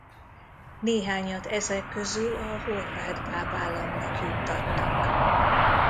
Néhányat ezek közül a horvát bábállamnak juttattak.